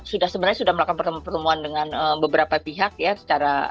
sebenarnya sudah melakukan pertemuan pertemuan dengan beberapa pihak ya